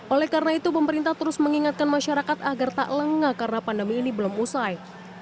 oleh karena itu pemerintah terus mengingatkan masyarakat agar tak lengah karena pandemi ini belum usai